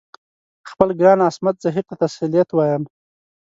خپل ګران عصمت زهیر ته تسلیت وایم.